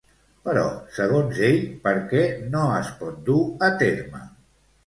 Però, segons ell, per què no es pot dur a terme?